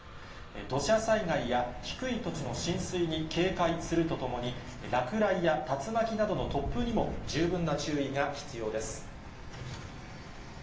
土砂災害や低い土地の浸水に警戒するとともに、落雷や竜巻などの突風にも十分な注意が必要です。